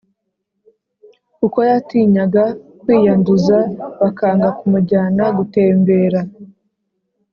kuko yatinyaga kwiyanduza bakanga kumujyana gutembera